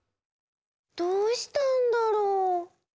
どうしたんだろう？